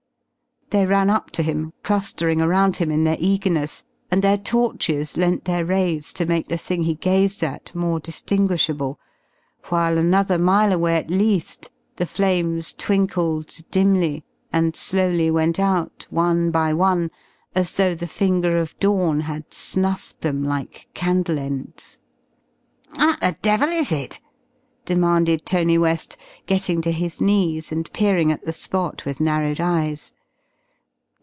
They ran up to him clustering around him in their eagerness, and their torches lent their rays to make the thing he gazed at more distinguishable, while another mile away at least, the flames twinkled dimly, and slowly went out one by one as though the finger of dawn had snuffed them like candle ends. "What the devil is it?" demanded Tony West, getting to his knees and peering at the spot with narrowed eyes.